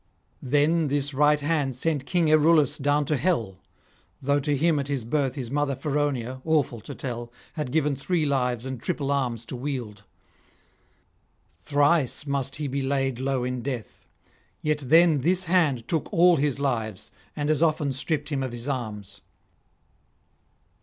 Then this right hand sent King Erulus down to hell, though to him at his birth his mother Feronia (awful to tell) had given three lives and triple arms to wield; thrice must he be laid low in death; yet then this hand took all his lives and as often stripped him of his arms.